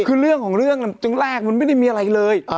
คือเรื่องของเรื่องแรกมันไม่ได้มีอะไรเลย